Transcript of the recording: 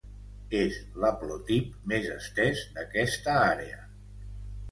És l'haplotip més estès d'aquesta àrea.